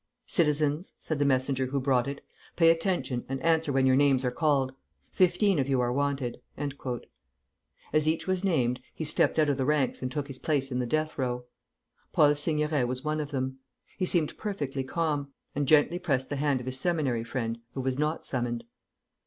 "Citizens," said the messenger who brought it, "pay attention, and answer when your names are called. Fifteen of you are wanted." As each was named, he stepped out of the ranks and took his place in the death row. Paul Seigneret was one of them. He seemed perfectly calm, and gently pressed the hand of his Seminary friend who was not summoned.